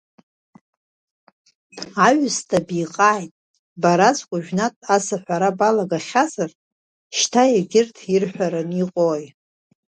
Аҩсҭаа биҟааит, бараҵәҟьа уажәнатә ас аҳәара балагахьазар, шьҭа егьырҭ ирҳәараны иҟои?